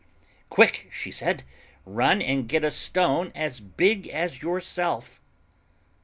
"Quick," she said, "run and get a stone as big as yourself."